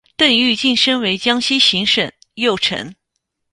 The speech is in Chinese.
邓愈晋升为江西行省右丞。